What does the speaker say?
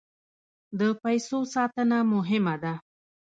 د پیسو ساتنه مهمه ده.